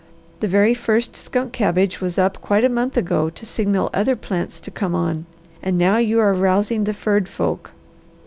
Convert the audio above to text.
The very first skunk cabbage was up quite a month ago to signal other plants to come on, and now you are rousing the furred folk.